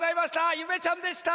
ゆめちゃんでした！